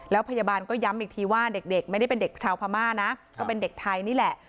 แล้วพยาบาลก็ย้ำอีกทีว่าเด็กไม่ได้เป็นเด็กชาวพม่านะก็เป็นเด็กไทยนี่แหละ